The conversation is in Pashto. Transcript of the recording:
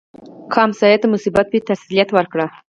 که ګاونډي ته مصیبت وي، تسلیت ورکړه